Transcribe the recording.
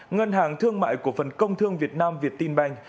ngân hàng thương mại cổ phần công thương việt nam viettinbank